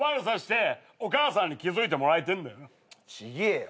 違えよ。